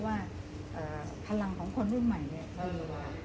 เพราะว่าพลังของคนรุ่นใหม่ก็เอง